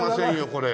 これ。